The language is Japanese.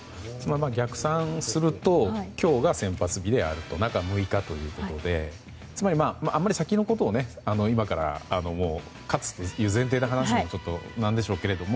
逆算すると先発できれば中６日ということでつまり、あまり先のことを今から勝つっていう前提で話すのはなんでしょうけど。